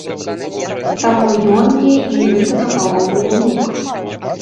Таму ён мне нібыта напалову ўнук.